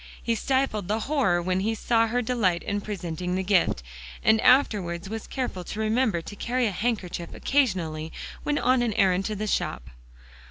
He stifled the horror when he saw her delight in presenting the gift, and afterwards was careful to remember to carry a handkerchief occasionally when on an errand to the shop.